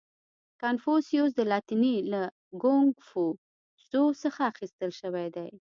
• کنفوسیوس د لاتیني له کونګ فو تزو څخه اخیستل شوی دی.